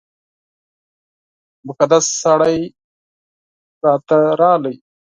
مقدس سړی راته راغی.